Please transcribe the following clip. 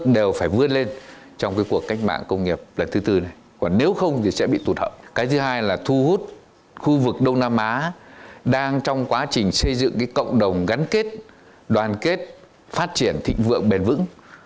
điều thứ hai là thu hút khu vực đông nam á đang trong quá trình xây dựng cộng đồng gắn kết đoàn kết phát triển thịnh vượng bền vững